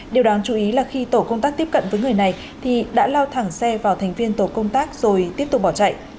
điều đáng chú ý là khi tổ công tác tiếp cận với người này thì đã lao thẳng xe vào thành viên tổ công tác rồi tiếp tục bỏ chạy